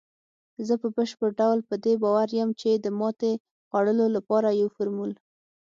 زه په بشپړ ډول په دې باور یم، چې د ماتې خوړلو لپاره یو فارمول